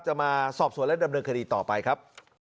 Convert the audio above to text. จะมาสอบสวนและดำเนินคดีต่อไปครับ